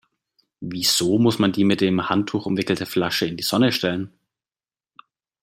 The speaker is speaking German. Wieso muss man die mit dem Handtuch umwickelte Flasche in die Sonne stellen?